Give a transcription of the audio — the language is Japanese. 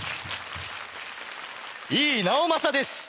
井伊直政です。